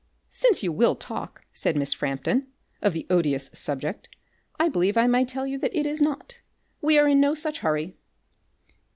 "Since you will talk," said Miss Frampton, "of the odious subject, I believe I may tell you that it is not. We are in no such hurry."